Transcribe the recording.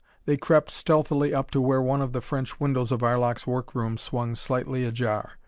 They crept stealthily up to where one of the French windows of Arlok's work room swung slightly ajar.